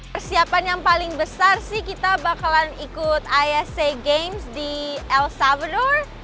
persiapan yang paling besar sih kita bakalan ikut asia games di el tujuh